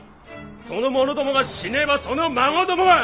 その者どもが死ねばその孫どもが！